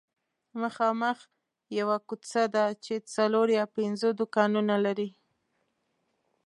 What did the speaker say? مخامخ یوه کوڅه ده چې څلور یا پنځه دوکانونه لري